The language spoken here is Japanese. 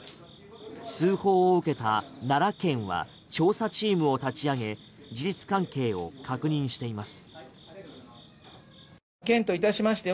通報を受けた奈良県は調査チームを立ち上げ事実関係を確認しています。